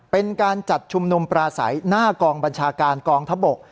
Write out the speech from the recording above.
เป็นการจัดชุมนุมปราศัยหน้ากองบัญชาการกองทบก